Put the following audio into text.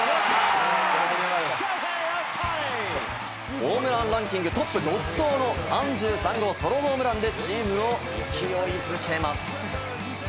ホームランランキングトップ独走の３３号ソロホームランでチームをいきおいづけます。